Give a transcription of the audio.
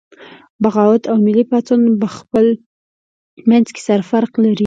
بغاوت او ملي پاڅون پخپل منځ کې سره فرق لري